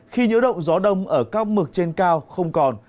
khi nhiễu động gió đông ở các mực trên cao không còn